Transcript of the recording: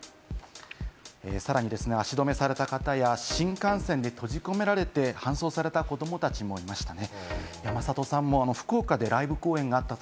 さらに足止めされた方や新幹線で閉じ込められて搬送された子どもたちもいましたね。